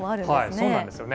そうなんですよね。